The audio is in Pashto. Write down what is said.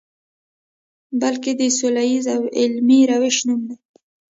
بلکې د سولیز او علمي روش نوم دی.